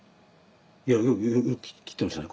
よく切ってましたね